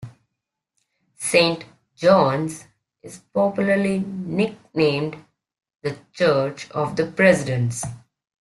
Saint John's is popularly nicknamed the "Church of the Presidents".